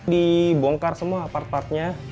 dibongkar semua apart part